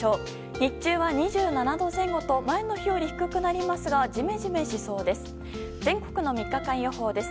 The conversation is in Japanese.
日中は２７度前後と前の日より低くなりますがジメジメしそうです。